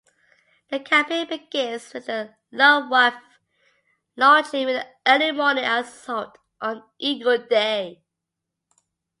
The campaign begins with the Luftwaffe launching an early morning assault on "Eagle Day".